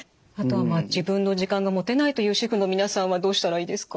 自分の時間が持てないという主婦の皆さんはどうしたらいいですか？